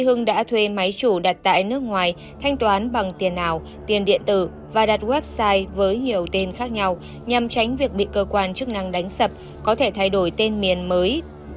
hưng đã thuê máy chủ đặt tại nước ngoài thanh toán bằng tiền ảo tiền điện tử và đặt website với nhiều tên khác nhau nhằm tránh việc bị cơ quan chức năng đánh sập có thể thay đổi tên miền mới